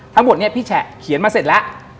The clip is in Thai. ทั้งหมดเนี่ยพี่แฉะเขียนมาเสร็จแล้ว